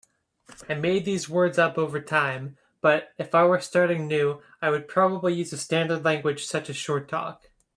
I made these words up over time, but if I were starting new I would probably use a standard language such as Short Talk.